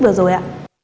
vừa rồi ạ